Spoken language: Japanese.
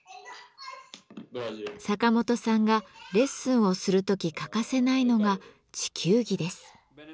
サカモトさんがレッスンをする時欠かせないのが地球儀です。